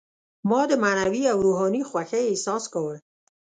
ما د معنوي او روحاني خوښۍ احساس کاوه.